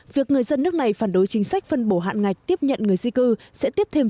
việc người dân nước này phản đối chính sách phân bổ hạn ngạch tiếp nhận người di cư sẽ tiếp thêm